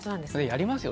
やりますよ